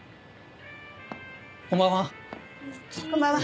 こんばんは。